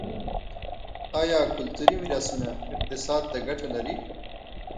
آیا کلتوري میراثونه اقتصاد ته ګټه لري؟